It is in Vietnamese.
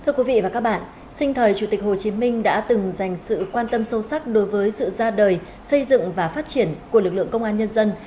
tư tưởng hồ chí minh đã từng dành sự quan tâm sâu sắc đối với sự ra đời xây dựng và phát triển của lực lượng công an nhân dân